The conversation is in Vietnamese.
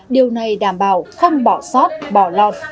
điều này đảm bảo không bỏ sót bỏ lọt